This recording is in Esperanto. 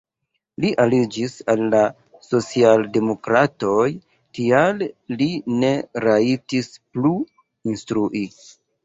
Li aliĝis al la socialdemokratoj, tial li ne rajtis plu instrui.